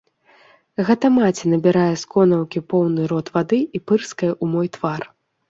Гэта маці набірае з конаўкі поўны рот вады і пырскае ў мой твар.